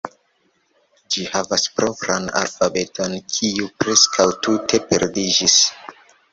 Ĝi havas propran alfabeton, kiu preskaŭ tute perdiĝis.